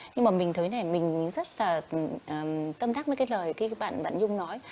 nhưng mà mình thấy này mình rất là tâm thắc với cái lời bạn nhung nói